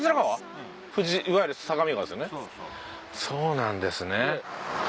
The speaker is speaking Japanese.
そうなんですね。